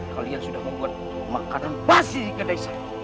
kalian sudah membuat makanan basi di kedai saya